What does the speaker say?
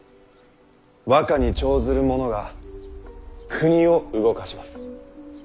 和歌に長ずるものが国を動かします。